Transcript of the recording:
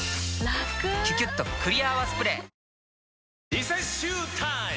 リセッシュータイム！